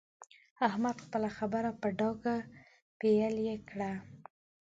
احمد خپله خبره په ډانګ پېيلې کړه.